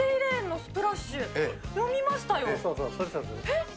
えっ？